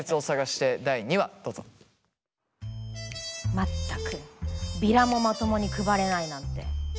全くビラもまともに配れないなんて。